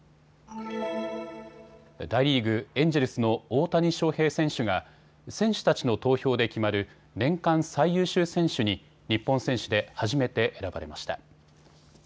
大リーグ、エンジェルスの大谷翔平選手が選手たちの投票で決まる年間最優秀選手に日本選手で初めて選ばれました。